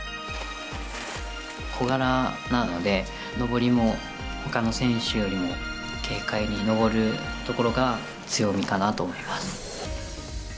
小柄なので、上りもほかの選手よりも軽快に上るところが強みかなと思います。